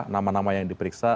nama nama yang diperiksa